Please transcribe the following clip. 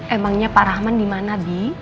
emangnya parahman di mana bi